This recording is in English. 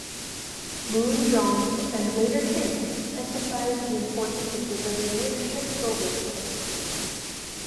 Munjong, and later Kings, emphasized the importance of civilian leadership over the military.